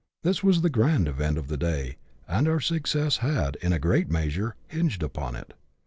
This was the grand event of the day, and our success had, in a great measure, hinged upon it.